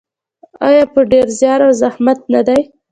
آیا په ډیر زیار او زحمت نه دی؟